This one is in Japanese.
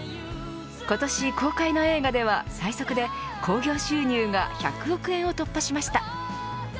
今年公開の映画では最速で興行収入が１００億円を突破しました。